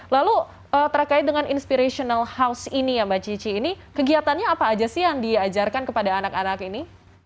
lalu terkait dengan inspirational house ini ya mbak cici ini kegiatannya apa aja sih yang diajarkan kepada anak anak ini